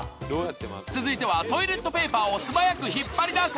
続いてはトイレットペーパーをすばやく引っ張り出せ！